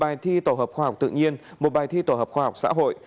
bài thi tổ hợp khoa học tự nhiên một bài thi tổ hợp khoa học xã hội